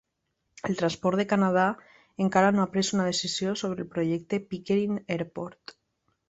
El transport de Canadà encara no ha pres una decisió sobre el projecte Pickering Airport.